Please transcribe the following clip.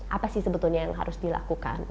apa sih sebetulnya yang harus dilakukan